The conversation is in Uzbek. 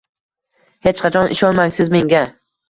Hech qachon ishonmang Siz menga